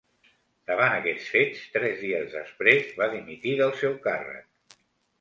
Davant aquests fets, tres dies després va dimitir del seu càrrec.